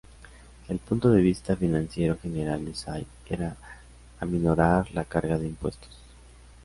El punto de vista financiero general de Say era aminorar la carga de impuestos.